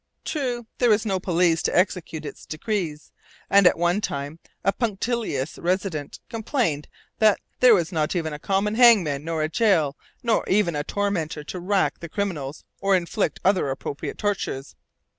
True, there was no police to execute its decrees; and at one time a punctilious resident complained that 'there was not even a common hangman, nor a jail, nor even a tormentor to rack the criminals or inflict other appropriate tortures.'